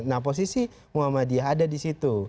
nah posisi muhammadiyah ada di situ